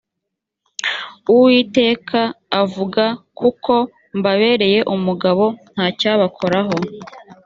uwiteka avuga kuko mbabereye umugabo ntacyabakoraho